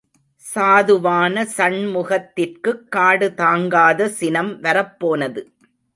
சாதுவான சண்முகத்திற்குக் காடு தாங்காத சினம் வரப்போனது.